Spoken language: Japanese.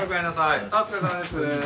あっお疲れさまです。